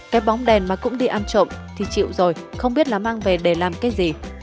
cái bóng đèn mà cũng đi ăn trộm thì chịu rồi không biết là mang về để làm cái gì